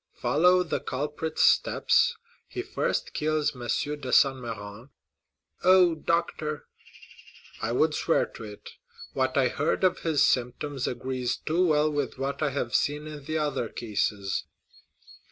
"Follow the culprit's steps; he first kills M. de Saint Méran——" "Oh, doctor!" "I would swear to it; what I heard of his symptoms agrees too well with what I have seen in the other cases."